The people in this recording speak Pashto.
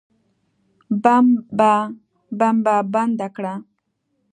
بمبه بنده کړه.